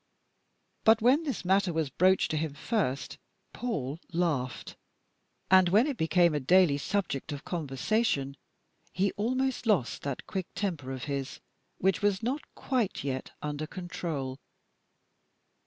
But when this matter was broached to him first, Paul laughed, and when it became a daily subject of conversation, he almost lost that quick temper of his, which was not quite yet under perfect control.